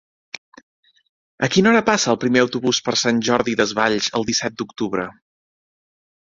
A quina hora passa el primer autobús per Sant Jordi Desvalls el disset d'octubre?